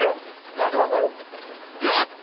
何で分かる？